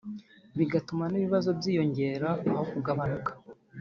bigatuma n’ibibazo byiyongera aho kugabanuka